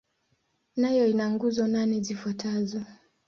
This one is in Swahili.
Nayo ina nguzo nane zifuatazo.